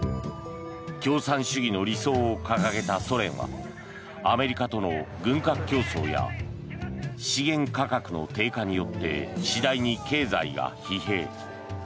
共産主義の理想を掲げたソ連はアメリカとの軍拡競争や資源価格の低下によって次第に経済が疲弊。